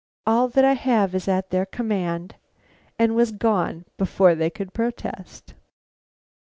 All that I have is at their command." And was gone before they could protest.